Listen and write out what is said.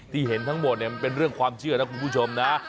เห็นทั้งหมดเนี่ยมันเป็นเรื่องความเชื่อนะคุณผู้ชมนะ